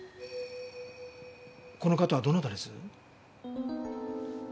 この方はどなたです？